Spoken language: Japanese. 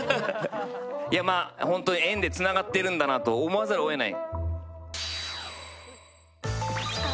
まあ、本当に縁でつながってるんだなと思わざるをえない。